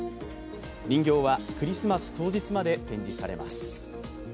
人形はクリスマス当日まで展示されます。